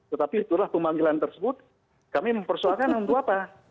tetapi itulah pemanggilan tersebut kami mempersoalkan yang berapa